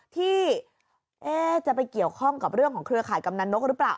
ที่จะไปเกี่ยวข้องกับเรื่องของเครือข่ายกำนันนกหรือเปล่า